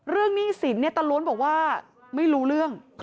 หนี้สินเนี่ยตาล้วนบอกว่าไม่รู้เรื่อง